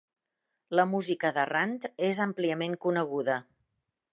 La música de Rand és àmpliament coneguda.